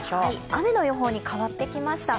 雨の予報に変わってきました。